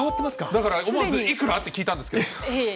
だから思わず、いくら？って聞いたんですけど。